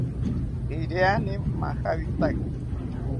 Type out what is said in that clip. Iriani majawitaki